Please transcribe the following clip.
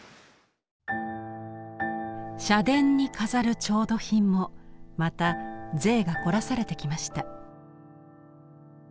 社殿に飾る調度品もまた贅が凝らされてきました。